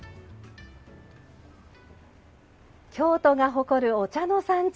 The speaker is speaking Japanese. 京都が誇るお茶の産地